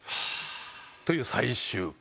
という最終回。